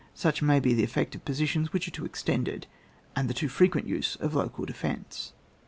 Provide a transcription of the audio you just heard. Such may be the effect of posi tions which are too extended, and the too frequent use of local defence.